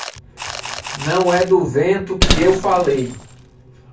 Não é do vento que eu falei.